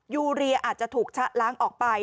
ยูเรียอาจจะถูกชะล้างออกไป